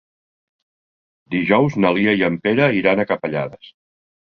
Dijous na Lia i en Pere iran a Capellades.